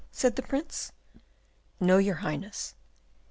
said the Prince. "No, your Highness!"